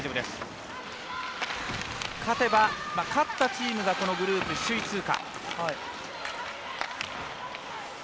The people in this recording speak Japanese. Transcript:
勝ったチームがこのグループ首位通過。